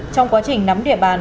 trong quá trình nắm địa bàn